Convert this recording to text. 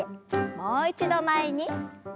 もう一度前に。